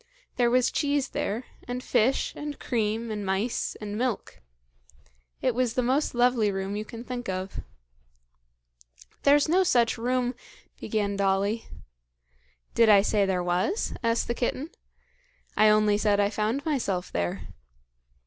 There was cheese there, and fish, and cream, and mice, and milk. It was the most lovely room you can think of." "There's no such room " began Dolly. "Did I say there was?" asked the kitten. "I only said I found myself there.